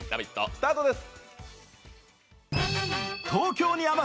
スタートです。